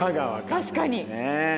確かに！